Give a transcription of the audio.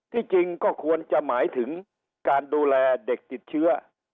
จริงก็ควรจะหมายถึงการดูแลเด็กติดเชื้อ